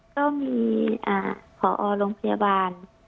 ก็มีขอออลโรงพยาบาล